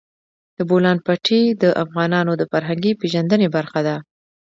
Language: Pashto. د بولان پټي د افغانانو د فرهنګي پیژندنې برخه ده.